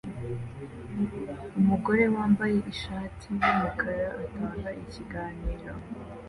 Umugore wambaye ishati yumukara atanga ikiganiro